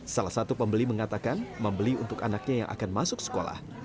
salah satu pembeli mengatakan membeli untuk anaknya yang akan masuk sekolah